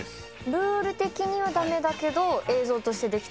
ルール的にはダメだけど映像としてできた。